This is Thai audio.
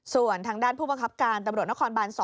ส่วนทางด้านผู้ประคับการหัวคลอัลละครบาน๒